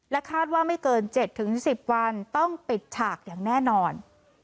คาดว่าไม่เกิน๗๑๐วันต้องปิดฉากอย่างแน่นอน